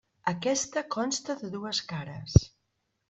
Aquesta consta de dues cares.